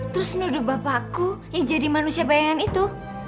terus nuduh bapakku ya jadi manusia bayangan itu